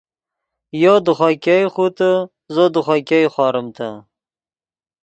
یو دے خوئے ګئے خوتے زو دے خوئے ګئے خوریمتے